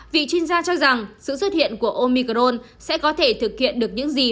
vị chuyên gia cho rằng sự xuất hiện của omicron sẽ có thể thực hiện được những gì